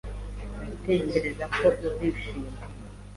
Ndatekereza ko uzishima.